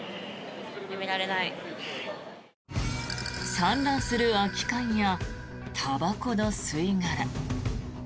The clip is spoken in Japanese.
散乱する空き缶やたばこの吸い殻。